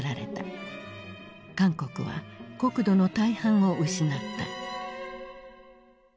韓国は国土の大半を失った。